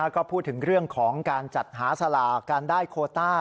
ก็พูดถึงเรื่องของการจัดหาสลากการได้โคต้า